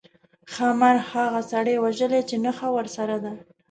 ښامار هغه سړي وژلی چې نخښه ورسره ده.